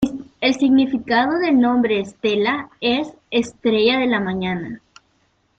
El significado del nombre Estela es "Estrella de la mañana".